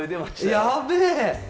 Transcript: やべえ！